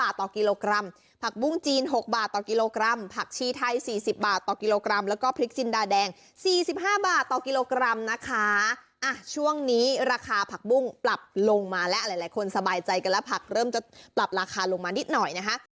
ผักบุ้งจีน๖บาทต่อกิโลกรัมผักชีไทย๔๐บาทต่อกิโลกรัมแล้วก็พริกจินดาแดง๔๕บาทต่อกิโลกรัมนะคะช่วงนี้ราคาผักบุ้งปรับลงมาและหลายคนสบายใจกันแล้วผักเริ่มจะปรับราคาลงมานิดหน่อยนะคะ